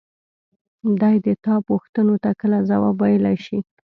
دى د تا پوښتنو ته کله ځواب ويلاى شي.